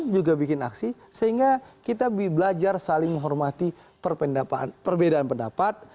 juga bikin aksi sehingga kita belajar saling menghormati perbedaan pendapat